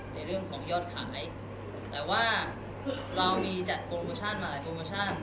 เป็นคุณที่สำหรับวันนี้ครับ